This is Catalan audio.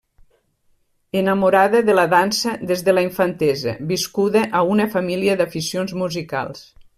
Enamorada de la dansa des de la infantesa, viscuda a una família d'aficions musicals.